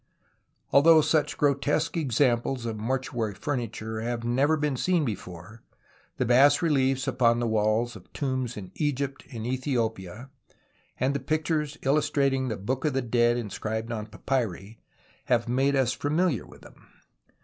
Although such grotesque examples of mortuary furniture have never been seen before, the bas reliefs upon the walls of tombs in Egypt and Ethiopia, and the pictures illus trating the Book of the Dead inscribed on papyri, have made us familiar with them.